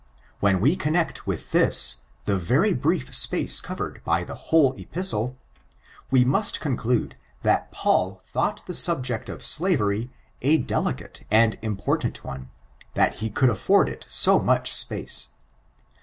When we connect with this the very brief space covered by the whole episde, we must conclude that Paul thought die subject of slavery a delicate and important one, that he could afford it so much space.